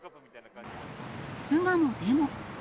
巣鴨でも。